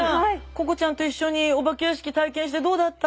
ここちゃんと一緒にお化け屋敷体験してどうだった？